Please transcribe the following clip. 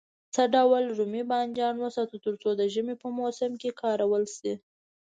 څه ډول رومي بانجان وساتو تر څو د ژمي په موسم کې کارول شي.